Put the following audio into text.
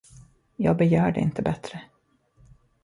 Jag begärde inte bättre.